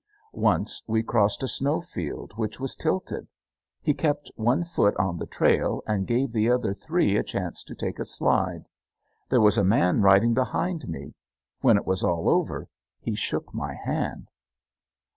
Once we crossed a snow field which was tilted. He kept one foot on the trail and gave the other three a chance to take a slide. There was a man riding behind me. When it was all over, he shook my hand.